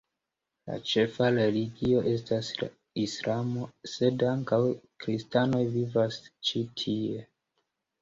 La ĉefa religio estas la islamo, sed ankaŭ kristanoj vivas ĉi tie.